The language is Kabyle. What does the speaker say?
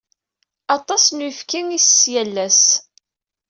Aṭas n uyefki i isess yal ass.